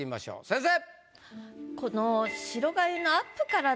先生！